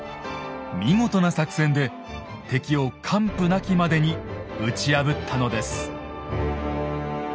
見事な作戦で敵を完膚なきまでに打ち破ったのです。